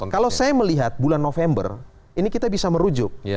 kalau saya melihat bulan november ini kita bisa merujuk